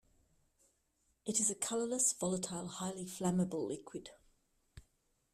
It is a colourless, volatile, highly flammable liquid.